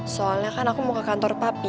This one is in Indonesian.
soalnya kan aku mau ke kantor papi